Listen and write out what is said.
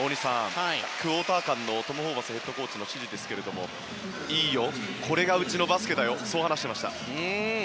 クオーター間のトム・ホーバスヘッドコーチの指示ですが、いいよこれがうちのバスケだよそう話していました。